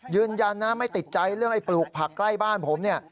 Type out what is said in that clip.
ยืนยันนะไม่ติดใจเรื่องไอ้ปลูกผักใกล้บ้านผมเนี่ย